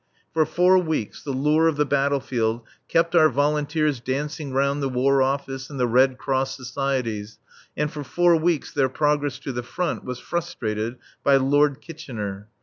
For four weeks the lure of the battle field kept our volunteers dancing round the War Office and the Red Cross Societies, and for four weeks their progress to the Front was frustrated by Lord Kitchener.